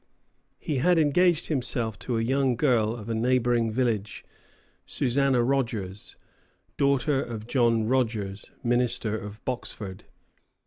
He had engaged himself to a young girl of a neighboring village, Susanna Rogers, daughter of John Rogers, minister of Boxford.